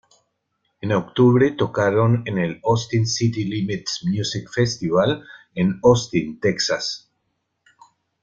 En octubre tocaron en el Austin City Limits Music Festival en Austin, Texas.